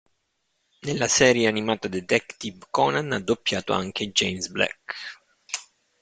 Nella serie animata "Detective Conan" ha doppiato anche James Black.